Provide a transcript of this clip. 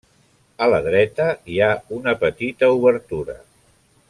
A la dreta, hi ha una petita obertura.